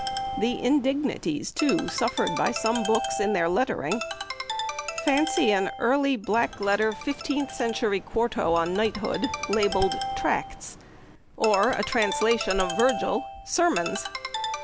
The indignities, too, suffered by some books in their lettering! Fancy an early black letter fifteenth century quarto on Knighthood, labelled "Tracts"; or a translation of Virgil, "Sermons"!